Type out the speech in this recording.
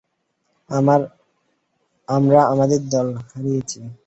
আমরা আমাদের দল হারিয়েছি।